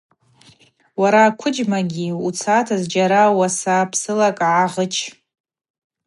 Уара аквыджьмагьи, уцата зджьара уаса псылакӏ гӏагъыч.